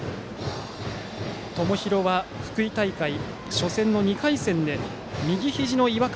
友廣は福井大会初戦の２回戦で右ひじの違和感。